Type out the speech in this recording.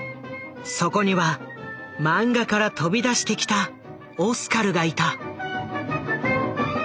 そこにはマンガから飛び出してきたオスカルがいた。